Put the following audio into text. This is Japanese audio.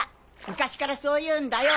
昔からそういうんだよ！